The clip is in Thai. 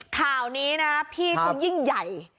ข่าวนี้นะพี่เขายิ่งใหญ่